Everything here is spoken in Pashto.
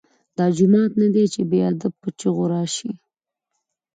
دا جومات نه دی چې بې ادب په چیغو راشې.